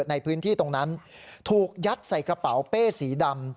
ในพื้นที่ตรงนั้นถูกยัดใส่กระเป๋าเป้สีดำ